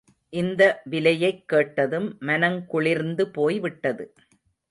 இந்த விலையைக் கேட்டதும், மனங்குளிர்ந்து போய் விட்டது.